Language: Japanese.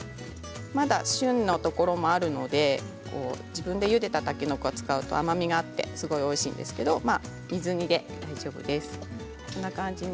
まだ旬のところもあるので自分でゆでたたけのこを使うと甘みがあってすごくおいしいんですけれど水煮でも大丈夫です。